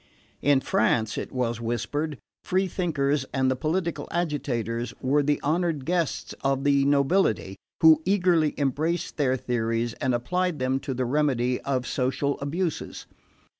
In France, it was whispered, free thinkers and political agitators were the honoured guests of the nobility, who eagerly embraced their theories and applied them to the remedy of social abuses.